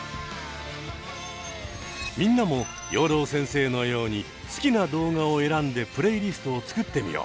みんなも養老先生のように好きな動画を選んでプレイリストを作ってみよう。